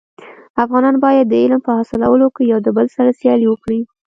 افغانان باید د علم په حاصلولو کي يو دبل سره سیالي وکړي.